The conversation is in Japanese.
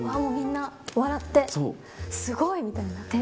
みんな笑って、すごいみたいな。